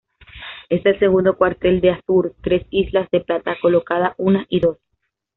En el segundo cuartel, de azur, tres islas de plata colocadas una y dos.